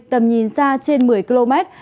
tầm nhìn xa trên một mươi km